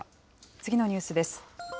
次のニュースです。